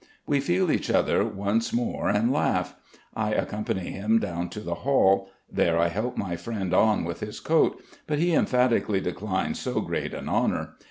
We feel each other once more and laugh. I accompany him down to the hall. There I help my friend on with his coat, but he emphatically declines so great an honour.